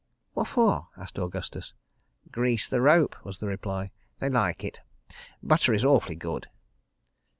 ..." "Whaffor?" asked Augustus. "Grease the rope," was the reply. "They like it. Butter is awfully good."